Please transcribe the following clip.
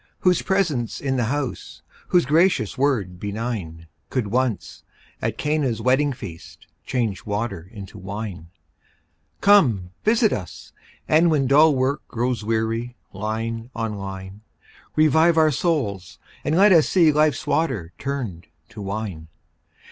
whose presence in the house, Whose gracious word benign, Could once, at Cana's wedding feast, Change water into wine; Come, visit us! and when dull work Grows weary, line on line, Revive our souls, and let us see Life's water turned to wine.